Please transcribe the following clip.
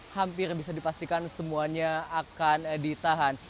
hampir bisa dipastikan semuanya akan ditahan